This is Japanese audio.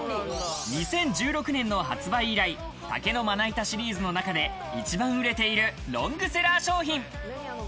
２０１６年の発売以来、竹のまな板シリーズの中で一番売れているロングセラー商品。